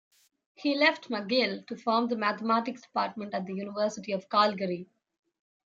He left McGill to form the Mathematics Department at the University of Calgary.